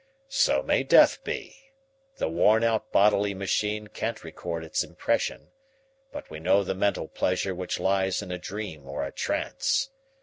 "So may death be. The worn out bodily machine can't record its impression, but we know the mental pleasure which lies in a dream or a trance.